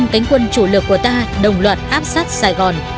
năm cánh quân chủ lực của ta đồng loạt áp sát sài gòn